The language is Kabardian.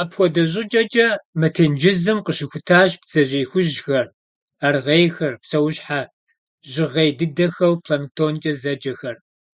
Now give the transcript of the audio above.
Апхуэдэ щӀыкӀэкӀэ мы тенджызым къыщыхутащ бдзэжьей хужьхэр, аргъейхэр, псэущхьэ жьгъей дыдэхэу «планктонкӀэ» зэджэхэр.